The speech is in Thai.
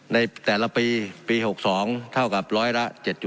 ในแต่ละปีปี๖๒เท่ากับร้อยละ๗